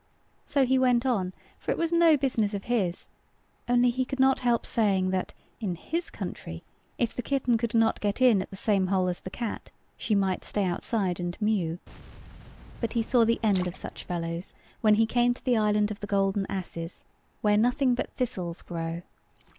So he went on; for it was no business of his: only he could not help saying that in his country, if the kitten could not get in at the same hole as the cat, she might stay outside and mew. But he saw the end of such fellows, when he came to the island of the Golden Asses, where nothing but thistles grow.